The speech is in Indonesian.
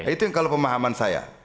itu yang kalau pemahaman saya